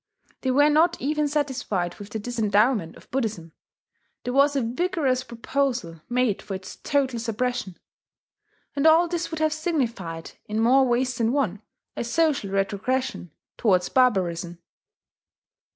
They were not even satisfied with the disendowment of Buddhism: there was a vigorous proposal made for its total suppression! And all this would have signified, in more ways than one, a social retrogression towards barbarism.